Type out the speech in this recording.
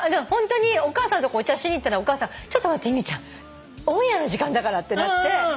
お母さんとこお茶しに行ったら「ちょっと待って由美ちゃん」「オンエアの時間だから」ってなって。